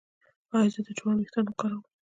ایا زه د جوارو ويښتان وکاروم؟